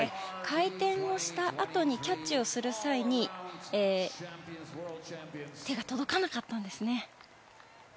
回転をしたあとにキャッチをする際に手が届かなかったんですね。